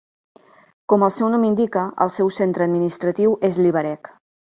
Com el seu nom indica, el seu centre administratiu és Liberec.